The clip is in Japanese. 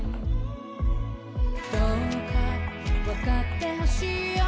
「どうか分かって欲しいよ」